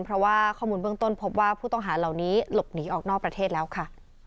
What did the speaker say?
เพราะว่าข้อมูลเบื้องต้นพบว่าผู้ต้องหาเหล่านี้หลบหนีออกนอกประเทศแล้วค่ะ